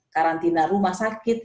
karantina rumah sakit